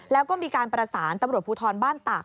แล้วก็มีการประสานตำรวจภูทรบ้านตาก